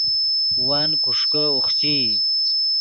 ون کوݰکے اوخچئی